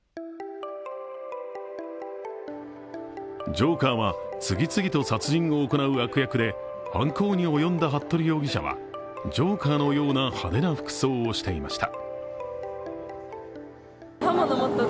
ジョーカーは、次々と殺人を行う悪役で犯行に及んだ服部容疑者はジョーカーのような派手な服装をしていました。